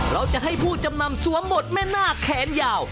เราจะให้ผู้จำนำสวมบทแม่นาคแขนยาว